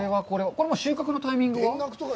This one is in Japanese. これは収穫のタイミングは？